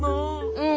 うん。